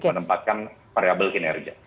menempatkan variabel kinerja